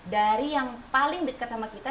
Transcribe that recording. dari yang paling dekat sama kita